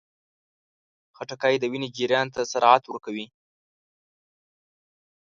خټکی د وینې جریان ته سرعت ورکوي.